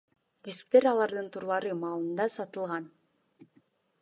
Дисктер алардын турлары маалында сатылган.